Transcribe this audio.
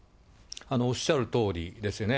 おっしゃるとおりですよね。